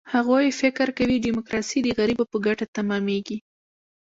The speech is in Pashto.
هغوی فکر کوي، ډیموکراسي د غریبو په ګټه تمامېږي.